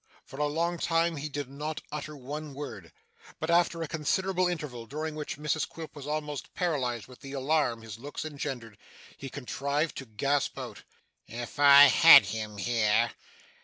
For a long time he did not utter one word; but, after a considerable interval, during which Mrs Quilp was almost paralysed with the alarm his looks engendered, he contrived to gasp out, 'If I had him here.